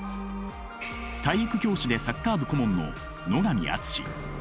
体育教師でサッカー部顧問の野上厚。